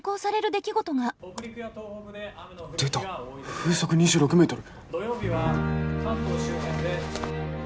出た風速２６メートル。